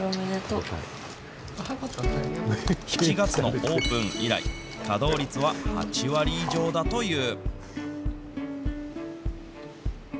７月のオープン以来、稼働率は８割以上だという。